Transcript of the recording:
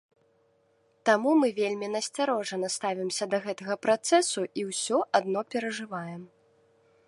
Таму мы вельмі насцярожана ставімся да гэтага працэсу і ўсё адно перажываем.